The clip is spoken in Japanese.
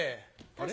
あれ？